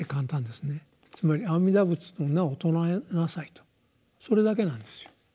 つまり「阿弥陀仏の名を称えなさい」とそれだけなんですよ。